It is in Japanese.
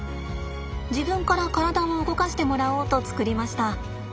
自分から体を動かしてもらおうと作りました。